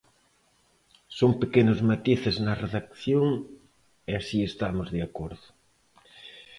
Son pequenos matices na redacción e si estamos de acordo.